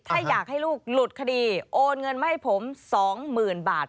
ถ้าอยากให้ลูกหลุดคดีโอนเงินมาให้ผม๒๐๐๐บาท